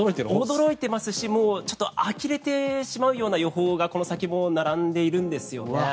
驚いていますしあきれてしまうような予報がこの先も並んでいるんですね。